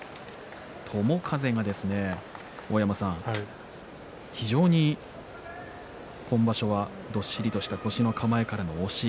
友風が大山さん、非常に今場所はどっしりとした腰の構えからの押し。